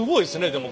でも。